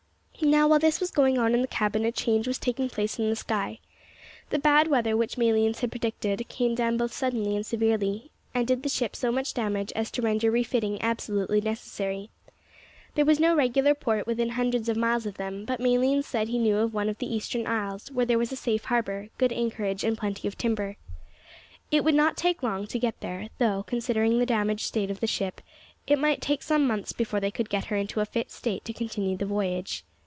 Now, while this was going on in the cabin, a change was taking place in the sky. The bad weather which Malines had predicted came down both suddenly and severely, and did the ship so much damage as to render refitting absolutely necessary. There was no regular port within hundreds of miles of them, but Malines said he knew of one of the eastern isles where there was a safe harbour, good anchorage, and plenty of timber. It would not take long to get there, though, considering the damaged state of the ship, it might take some months before they could get her into a fit state to continue the voyage.